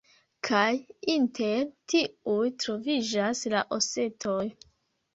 Kaj inter tiuj troviĝas la osetoj.